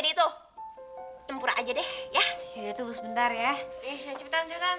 di itu tempur aja deh ya itu sebentar ya cepetan cepetan cepetan